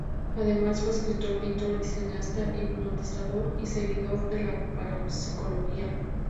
Además, fue escritor, pintor, cineasta, hipnotizador y seguidor de la parapsicología.